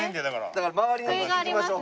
だから回りに行きましょう。